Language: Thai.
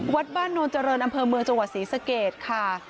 วัดบ้านนวลเจริญอำเภอเมืองจังหวัดศรีสเกตค่ะ